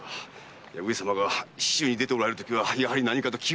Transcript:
上様が市中に出ておられるときはやはり何かと気がかりで。